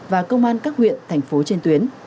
và công an các huyện thành phố trên tuyến